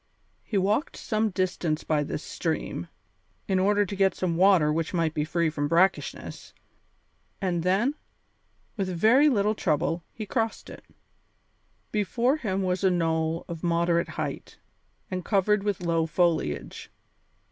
He walked some distance by this stream, in order to get some water which might be free from brackishness, and then, with very little trouble, he crossed it. Before him was a knoll of moderate height, and covered with low foliage.